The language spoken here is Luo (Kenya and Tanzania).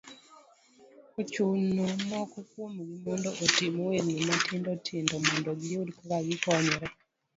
Ochuno moko kuom gi mondo otim ohelni matindo tindo mondo giyud kaka gikonyore.